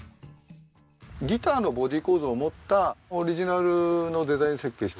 ギターのボディー構造を持ったオリジナルのデザイン設計したものなんで。